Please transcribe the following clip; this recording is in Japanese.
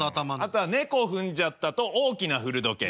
あとは「ねこふんじゃった」と「大きな古時計」。